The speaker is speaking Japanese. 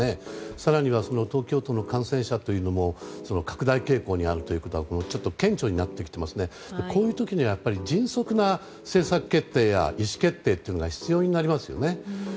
更には、東京都の感染者も拡大傾向にあることはちょっと顕著になってきているのでこういう時には迅速な政策決定や意思決定というのが必要になりますよね。